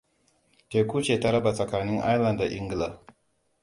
Teku ce ta raba tsakanin Ireland da Ingila.